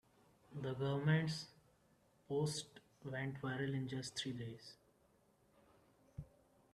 The government's post went viral in just three days.